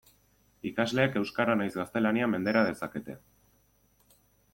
Ikasleek euskara nahiz gaztelania mendera dezakete.